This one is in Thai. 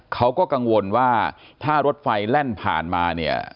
เขาก็กังวลว่าถ้ารถไฟแล่นผ่านมาเนี่ย